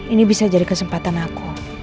ini bisa jadi kesempatan aku